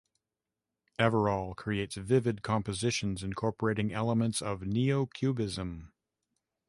Everall creates vivid compositions incorporating elements of neo-cubism.